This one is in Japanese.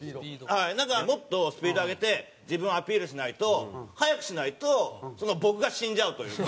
なんかもっとスピード上げて自分をアピールしないと早くしないと僕が死んじゃうというか。